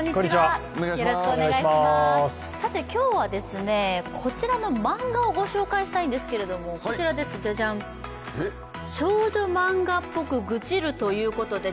今日はこちらの漫画をご紹介したいんですけれども、「少女漫画ぽく愚痴る」